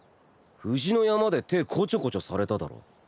藤の山で手ぇこちょこちょされただろ？